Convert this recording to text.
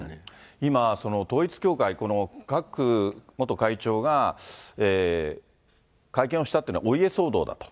今、統一教会、クァク元会長が会見をしたというのは、お家騒動だと。